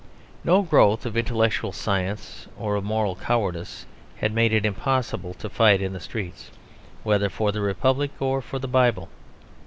No growth of intellectual science or of moral cowardice had made it impossible to fight in the streets, whether for the republic or for the Bible.